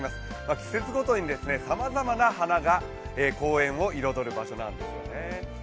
季節ごとにさまざまな花が公園を彩る場所なんですよね。